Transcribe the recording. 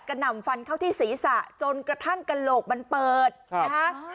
หน่ำฟันเข้าที่ศีรษะจนกระทั่งกระโหลกมันเปิดนะคะ